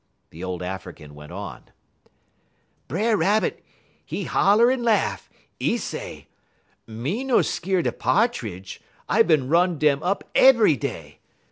The old African went on: "B'er Rabbit, 'e holler un lahff; 'e say: "'Me no skeer da Pa'tridge. I bin run dem up ebry day.